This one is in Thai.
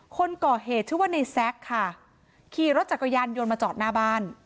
คนก่อเหตุชื่อว่าในแซคค่ะขี่รถจักรยานยนต์มาจอดหน้าบ้าน